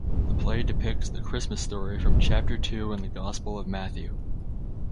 The play depicts the Christmas story from chapter two in the Gospel of Matthew.